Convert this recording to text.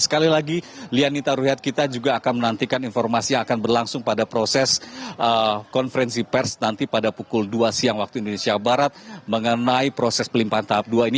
sekali lagi lianita ruhyat kita juga akan menantikan informasi yang akan berlangsung pada proses konferensi pers nanti pada pukul dua siang waktu indonesia barat mengenai proses pelimpahan tahap dua ini